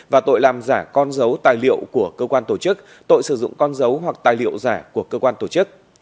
và tội làm giả con dấu tài liệu của cơ quan tổ chức tội sử dụng con dấu hoặc tài liệu giả của cơ quan tổ chức